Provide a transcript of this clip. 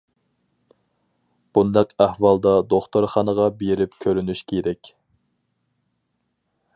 بۇنداق ئەھۋالدا دوختۇرخانىغا بېرىپ كۆرۈنۈش كېرەك.